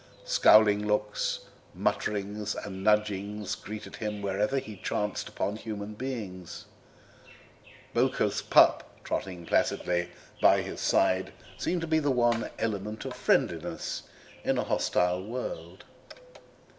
Scowling looks, mutterings, and nudgings greeted him whenever he chanced upon human beings; "Bowker's pup," trotting placidly by his side, seemed the one element of friendliness in a hostile world.